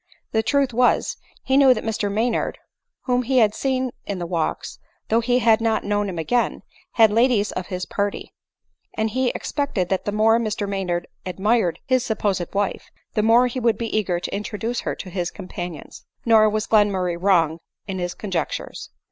The truth was, he knew that Mr Maynard, whom he had seen in the walks, though he had not known him again, had ladies of his party ; and he expected that the more Mr Maynard ad mired his supposed wife, the more would he be eager to introduce her to his companions. Nor was Glenmurray wrong in his conjectures.